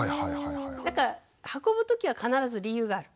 だから運ぶ時は必ず理由がある。